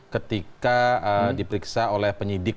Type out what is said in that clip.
ketika diperiksa oleh penyidik